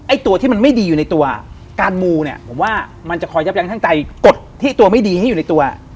ตัวที่มันไม่ดีอยู่ในตัวการมูเนี่ยผมว่ามันจะคอยยับยั้งทั้งใจกดที่ตัวไม่ดีให้อยู่ในตัว